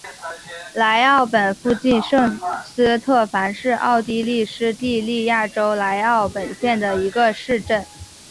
莱奥本附近圣斯特凡是奥地利施蒂利亚州莱奥本县的一个市镇。